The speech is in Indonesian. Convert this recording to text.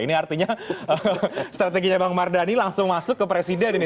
ini artinya strateginya bang mardhani langsung masuk ke presiden ini